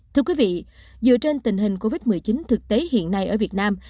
thưa quý vị dựa trên tình hình covid một mươi chín thực tế hiện nay ở việt nam